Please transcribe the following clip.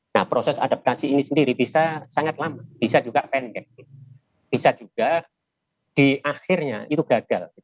nah proses adaptasi ini sendiri bisa sangat lama bisa juga pendek bisa juga di akhirnya itu gagal